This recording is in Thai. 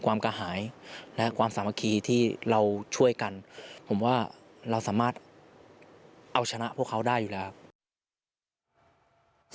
กระหายและความสามัคคีที่เราช่วยกันผมว่าเราสามารถเอาชนะพวกเขาได้อยู่แล้วครับ